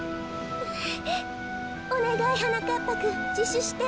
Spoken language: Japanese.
おねがいはなかっぱくんじしゅして。